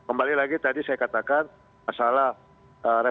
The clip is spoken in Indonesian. nah kembali lagi tadi saya katakan masalah resorbon